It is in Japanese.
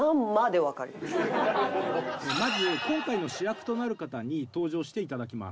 まず今回の主役となる方に登場して頂きます。